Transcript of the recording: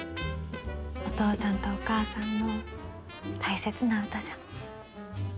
お父さんとお母さんの大切な歌じゃ。